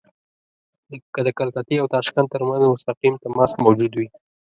که د کلکتې او تاشکند ترمنځ مستقیم تماس موجود وي.